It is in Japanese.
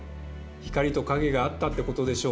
光と影があったってことでしょうか。